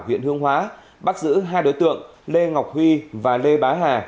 huyện hương hóa bắt giữ hai đối tượng lê ngọc huy và lê bá hà